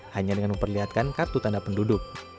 hanya dengan memperlihatkan kartu tanda penduduk